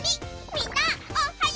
みんなおっはよ！